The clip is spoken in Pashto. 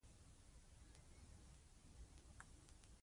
د څارویو لپاره پاک اوبه د روغتیا بنسټ دی.